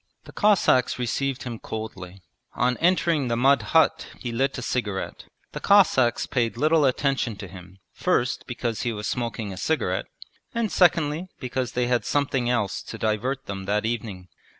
The Cossacks received him coldly. On entering the mud hut he lit a cigarette. The Cossacks paid little attention to him, first because he was smoking a cigarette, and secondly because they had something else to divert them that evening.